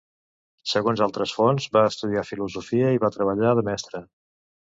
Segons altres fonts, va estudiar filosofia i va treballar de mestre.